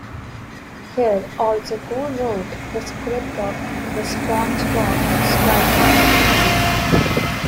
Hill also co-wrote the script of "The SpongeBob SquarePants Movie".